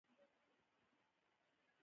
خپلواک بيرغونه رپېدل.